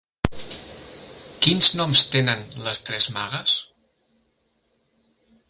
Quins noms tenen les tres Magues?